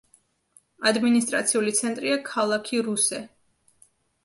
ადმინისტრაციული ცენტრია ქალაქი რუსე.